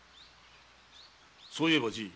そういえばじい。